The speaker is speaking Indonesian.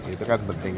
itu kan penting